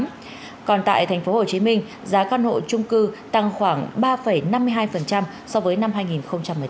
cảm ơn các bạn đã theo dõi và ủng hộ cho kênh lalaschool để không bỏ lỡ những video hấp dẫn